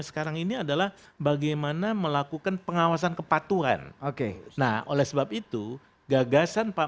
sekarang ini adalah bagaimana melakukan pengawasan kepatuhan oke nah oleh sebab itu gagasan pak